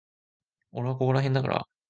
俺はここらへんだから。